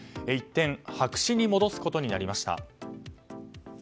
一転白紙に戻すことになりました。